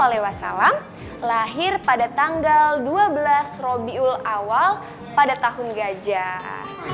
jadi nabi muhammad saw lahir pada tanggal dua belas robiul awal pada tahun gajah